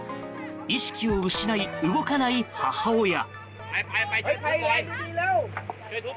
意識を失い、動かない母親。